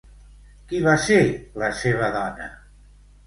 Qui va ser la seva dona?